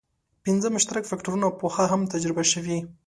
پنځه مشترک فکټورونه پخوا هم تجربه شوي.